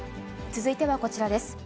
続いてはこちらです。